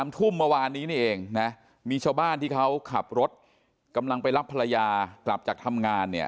ทุ่มเมื่อวานนี้นี่เองนะมีชาวบ้านที่เขาขับรถกำลังไปรับภรรยากลับจากทำงานเนี่ย